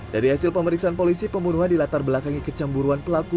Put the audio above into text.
dari hasil pemeriksaan polisi pembunuhan di latar belakangnya kecemburuan pelaku